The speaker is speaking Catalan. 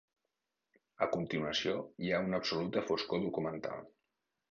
A continuació hi ha una absoluta foscor documental.